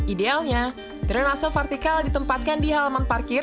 idealnya drainase vertikal ditempatkan di halaman parkir